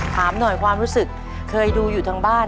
ถามหน่อยความรู้สึกเคยดูอยู่ทางบ้าน